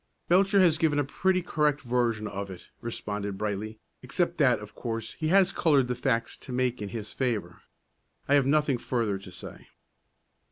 "Belcher has given a pretty correct version of it," responded Brightly, "except that of course he has colored the facts to make in his favor. I have nothing further to say."